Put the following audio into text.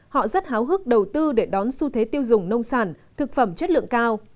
họ rất háo hức đầu tư để đón xu thế tiêu dùng nông sản thực phẩm chất lượng cao